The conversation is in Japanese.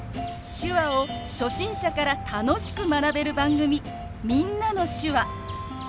手話を初心者から楽しく学べる番組「みんなの手話」。